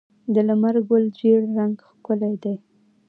د لمر ګل ژیړ رنګ ښکلی دی.